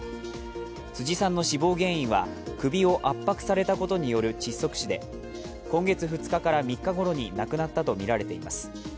辻さんの死亡原因は首を圧迫されたことによる窒息死で今月２日から３日ごろに亡くなったとみられています。